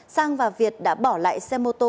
sang và việt đã bỏ lại xe mô tô